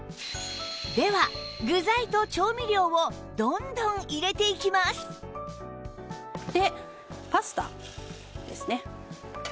では具材と調味料をどんどん入れていきますでパスタですね。